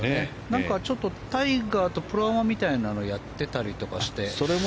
何か、タイガーとプロアマみたいなのをやってたりとかして。